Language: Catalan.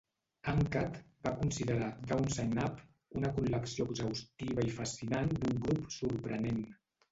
"Uncut" va considerar "Downside Up" "una col·lecció exhaustiva i fascinant d'un grup sorprenent".